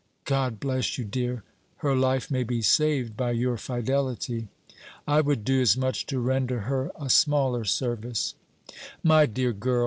"God bless you, dear! Her life may be saved by your fidelity." "I would do as much to render her a smaller service." "My dear girl!